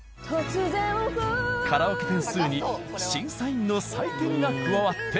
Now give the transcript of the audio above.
カラオケ点数に審査員の採点が加わって。